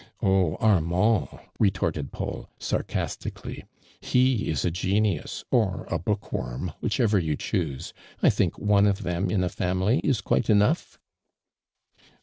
"t)h, Armand !' retort(<l Paul, sarcasti cally. " He is a genius, i)r a book worm, whichever you choose. I think one of them in a family is quite enough